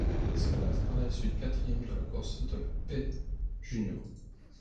Il se classe par la suite quatrième de la Course de la Paix juniors.